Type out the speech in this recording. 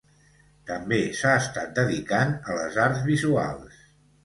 També s'ha estat dedicant a les arts visuals.